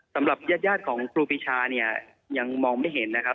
สำหรับหญ้ายาดของครูพิชายังมองไม่เห็นนะครับ